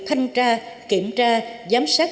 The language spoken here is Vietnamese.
thanh tra kiểm tra giám sát